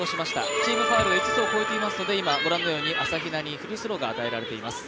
チームファウルが５つを超えていますので、ご覧のように朝比奈にフリースローが与えられています。